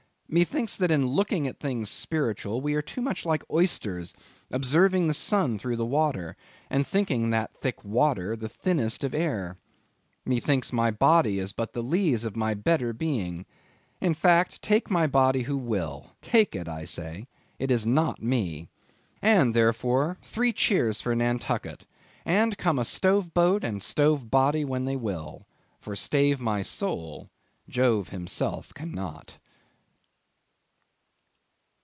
Methinks that in looking at things spiritual, we are too much like oysters observing the sun through the water, and thinking that thick water the thinnest of air. Methinks my body is but the lees of my better being. In fact take my body who will, take it I say, it is not me. And therefore three cheers for Nantucket; and come a stove boat and stove body when they will, for stave my soul, Jove himself cannot.